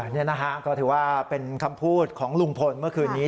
นี่นะฮะก็ถือว่าเป็นคำพูดของลุงพลเมื่อคืนนี้